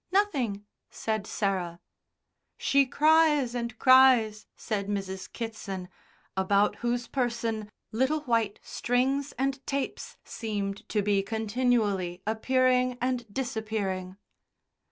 "Nothing" said Sarah. "She cries and cries," said Mrs. Kitson, about whose person little white strings and tapes seemed to be continually appearing and disappearing.